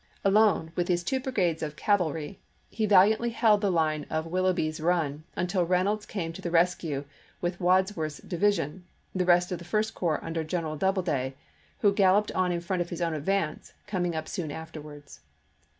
Alone, with his two brigades of cavalry, he valiantly held the line of Willoughby's Run, until Reynolds came to the rescue with Wadsworth's division, the rest of the First Corps under General Doubleday, who gal loped on in front of his own advance, coming up soon afterwards.